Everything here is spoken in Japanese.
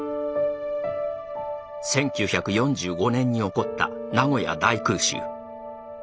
１９４５年に起こった名古屋大空襲。